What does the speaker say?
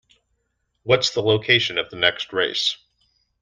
What's the location of the next race?